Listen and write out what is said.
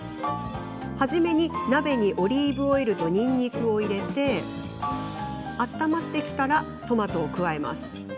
初めに鍋にオリーブオイルとにんにくを入れ温まってきたらトマトを加えます。